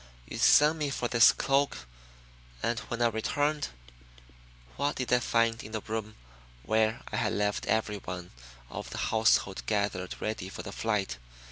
"You send me for this cloak and when I returned, what did I find in the room where I had left everyone of the household gathered ready for the flight?